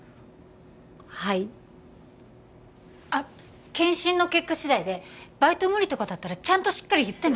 はいあっ健診の結果次第でバイト無理とかだったらちゃんとしっかり言ってね